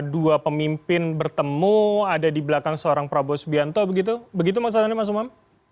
dua pemimpin bertemu ada di belakang seorang prabowo subianto begitu begitu maksud anda mas umam